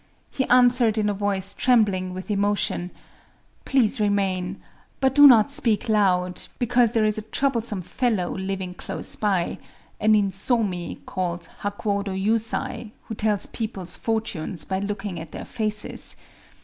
He answered in a voice trembling with emotion:— "Please remain; but do not speak loud—because there is a troublesome fellow living close by,—a ninsomi called Hakuōdō Yusai, who tells peoples fortunes by looking at their faces.